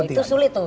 oke itu sulit tuh